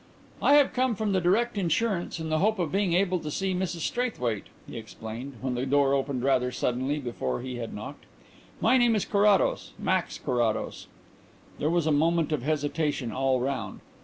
"I have come from the Direct Insurance in the hope of being able to see Mrs Straithwaite," he explained, when the door opened rather suddenly before he had knocked. "My name is Carrados Max Carrados." There was a moment of hesitation all round.